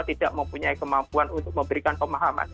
tidak mempunyai kemampuan untuk memberikan pemahaman